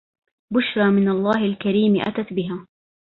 بشرى من الله الكريم أتت بها